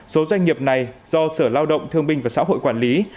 số doanh nghiệp này do sở lao động thương binh và xã hội quản lý